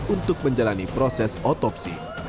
untuk menjalani proses otopsi